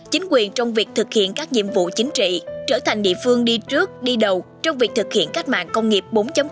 chính quyền trong việc thực hiện các nhiệm vụ chính trị trở thành địa phương đi trước đi đầu trong việc thực hiện cách mạng công nghiệp bốn